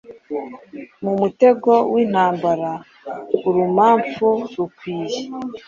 Mumutego wintambara urumamfu rukwiye